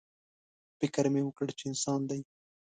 _فکر مې وکړ چې انسان دی.